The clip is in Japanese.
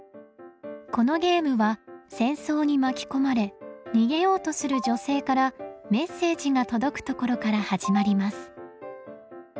このゲームは戦争に巻き込まれ逃げようとする女性からメッセージが届くところから始まります。